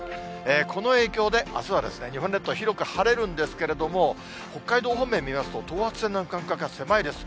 この影響で、あすは日本列島、広く晴れるんですけれども、北海道方面見ますと、等圧線の間隔が狭いです。